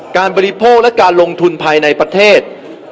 บริโภคและการลงทุนภายในประเทศ